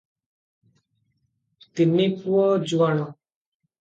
ତିନି ପୁଅ ଯୁଆଣ ।